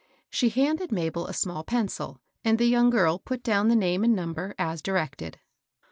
She handed Mabel a small pencil, and the young girl put down the name and number as directed.